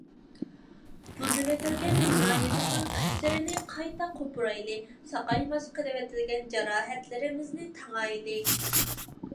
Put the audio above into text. بۇزۇۋېتىلگەن بىنايىمىزنىڭ خىشلىرىنى قايتا قوپۇرايلى، ساقايماس قىلىۋېتىلگەن جاراھەتلىرىمىزنى تاڭايلى.